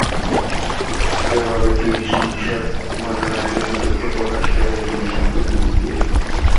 জবাবে তিন সাংসদ ঘটনার জন্য দুঃখ প্রকাশ করে কমিশনকে চিঠি দিয়েছেন।